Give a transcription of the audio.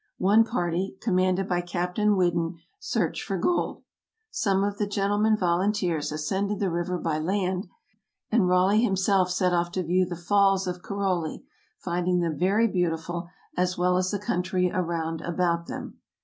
One party, commanded by Captain Whiddon, searched for gold; some of the gen tlemen volunteers ascended the river by land, and Raleigh himself set off to view the falls of Caroli, finding them very beautiful as well as the country around about them.